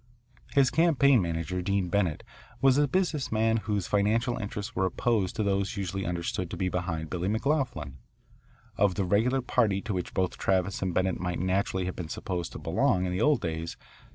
His campaign manager, Dean Bennett, was a business man whose financial interests were opposed to those usually understood to be behind Billy McLoughlin, of the regular party to which both Travis and Bennett might naturally have been supposed to belong in the old days.